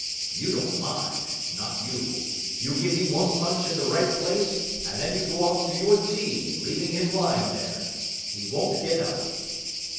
You don't mind. Not you. You give him one punch in the right place, and then you go off to your tea, leaving him lying there. He won't get up."